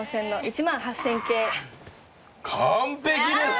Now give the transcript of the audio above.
完璧です！